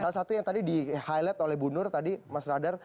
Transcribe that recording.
salah satu yang tadi di highlight oleh bu nur tadi mas radar